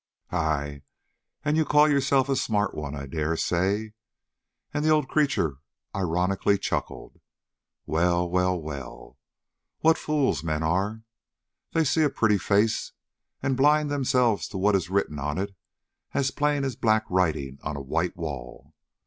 "Hi! and you call yourself a smart one, I dare say." And the old creature ironically chuckled. "Well, well, well, what fools men are! They see a pretty face, and blind themselves to what is written on it as plain as black writing on a white wall.